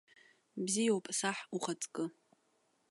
Бзиоуп, саҳ ухаҵкы.